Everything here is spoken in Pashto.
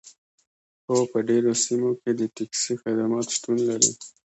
هو په ډیرو سیمو کې د ټکسي خدمات شتون لري